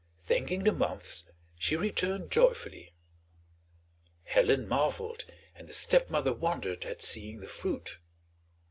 Thanking the months, she returned joyfully. Helen marveled and the stepmother wondered at seeing the fruit.